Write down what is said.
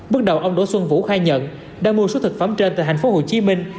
bước đầu ông đỗ xuân vũ khai nhận đã mua số thực phẩm trên tại thành phố hồ chí minh